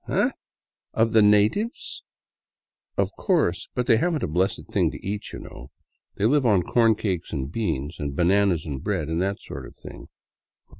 "Eh? Of the natives? Of course, but they haven't a blessed thing to eat, y' know. They live on corn cakes and beans, and bananas and bread, and that sort of thing.